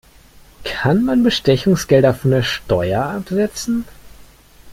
Kann man Bestechungsgelder von der Steuer absetzen?